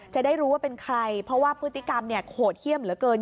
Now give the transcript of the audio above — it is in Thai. จะได้รู้ว่าเป็นใครเพราะว่าพฤติกรรมโหดเยี่ยมเหลือเกิน